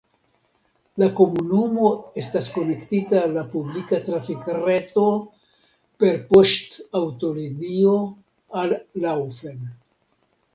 La komunumo estas konektita al la publika trafikreto per poŝtaŭtolinio al Laufen.